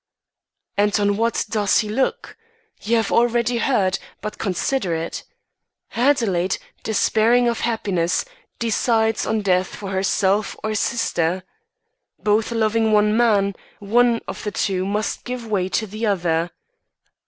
"And on what does he look? You have already heard, but consider it. Adelaide, despairing of happiness, decides on death for herself or sister. Both loving one man, one of the two must give way to the other.